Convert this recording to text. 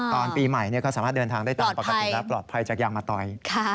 ตอนปีใหม่ก็สามารถเดินทางได้ตามปกติแล้วปลอดภัยจากยางมะตอย